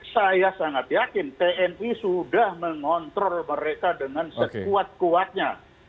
saya sangat yakin tni sudah mengontrol mereka dengan sekuat kuatnya